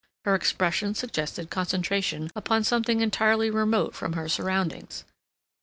Her expression suggested concentration upon something entirely remote from her surroundings.